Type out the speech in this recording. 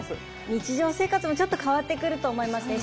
日常生活もちょっと変わってくると思いますね。